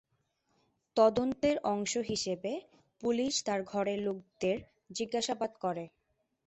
তদন্তের অংশ হিসেবে পুলিশ তার ঘরের লোকদের জিজ্ঞাসাবাদ করে।